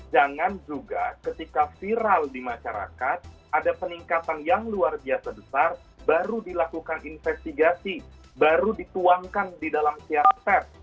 jangan juga ketika viral di masyarakat ada peningkatan yang luar biasa besar baru dilakukan investigasi baru dituangkan di dalam siaran pers